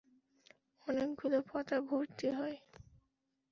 অনেকগুলো পাতা ভরতি হয়।